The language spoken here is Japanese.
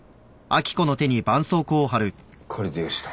これでよしと。